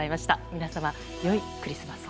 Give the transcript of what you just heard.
皆様、良いクリスマスを。